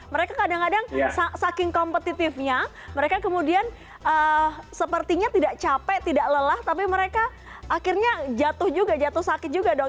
mereka kadang kadang saking kompetitifnya mereka kemudian sepertinya tidak capek tidak lelah tapi mereka akhirnya jatuh juga jatuh sakit juga dong